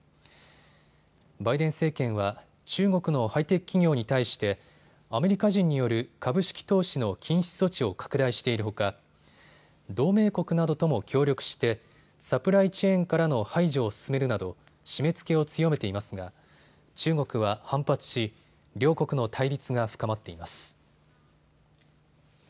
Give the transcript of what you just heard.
バイデン政権は中国のハイテク企業に対してアメリカ人による株式投資の禁止措置を拡大しているほか同盟国などとも協力してサプライチェーンからの排除を進めるなど締めつけを強めていますが中国は反発し、両国の対立が深まっています。